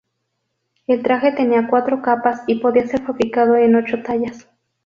El traje tenía cuatro capas y podía ser fabricado en ocho tallas.